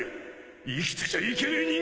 生きてちゃいけねえ人間だ！